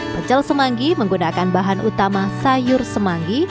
pecel semanggi menggunakan bahan utama sayur semanggi